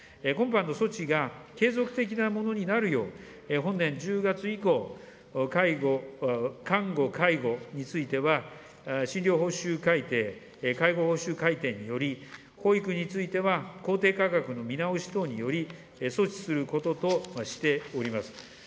今般の措置が継続的なものになるよう、本年１０月以降、看護、介護については診療報酬改定、介護報酬改定により、保育については公定価格の見直し等により、措置することとしております。